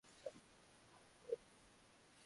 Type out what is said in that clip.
আম্মুকে হাই বলো।